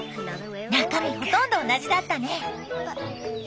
中身ほとんど同じだったね。